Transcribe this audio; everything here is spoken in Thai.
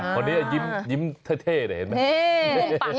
คนนี้ยิ้มเท่เห็นไหม